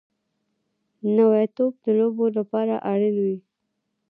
نوی توپ د لوبو لپاره اړین وي